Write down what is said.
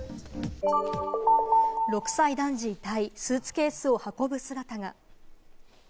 ６歳男児遺体、スーツケースを運ぶ姿が。